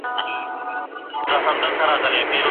د افغانستان مڼې او انار څنګه هندي بازارونو ته لار پیدا کوي؟